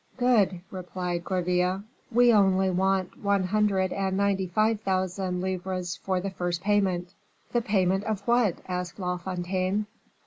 "Good," replied Gourville; "we only what one hundred and ninety five thousand livres for the first payment." "The payment of what?" asked La Fontaine.